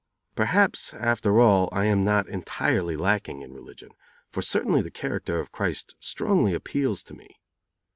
Perhaps, after all, I am not entirely lacking in religion; for certainly the character of Christ strongly appeals to me.